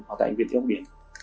ở tại bệnh viện đi ông điển